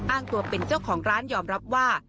อ้างตัวเป็นเจ้าของร้านยอมรับว่า